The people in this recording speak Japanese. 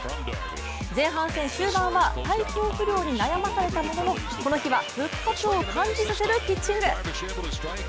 前半戦終盤は体調不良に悩まされたもののこの日は復活を感じさせるピッチング。